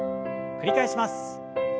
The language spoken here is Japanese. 繰り返します。